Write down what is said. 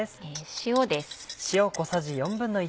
塩です。